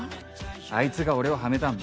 あいつが俺をハメたんだ。